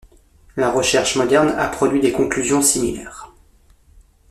La recherche moderne a produit des conclusions similaires.